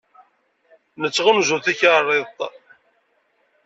Nettɣunzu takerriḍt.